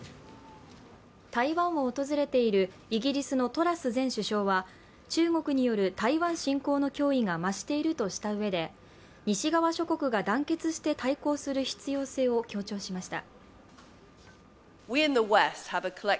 台湾を訪れているイギリスのトラス前首相は中国による台湾侵攻の脅威が増しているとしたうえで西側諸国が団結して対抗する必要性を強調しました。